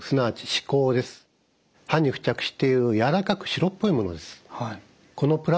歯に付着している軟らかく白っぽいものです。